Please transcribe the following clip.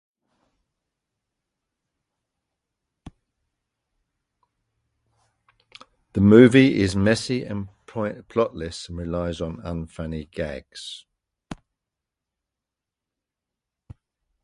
The movie is messy and plotless and relies on unfunny vulgar gags.